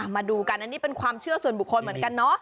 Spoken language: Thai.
มาดูกันอันนี้เป็นความเชื่อส่วนบุคคลเหมือนกันเนาะ